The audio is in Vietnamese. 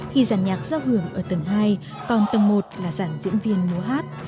khi giàn nhạc giao hưởng ở tầng hai còn tầng một là giàn diễn viên mô hát